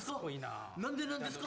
何でなんですか？